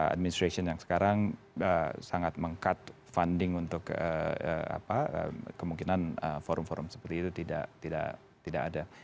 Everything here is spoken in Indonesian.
administration yang sekarang sangat meng cut funding untuk kemungkinan forum forum seperti itu tidak ada